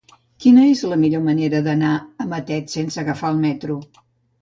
Quina és la millor manera d'anar a Matet sense agafar el metro?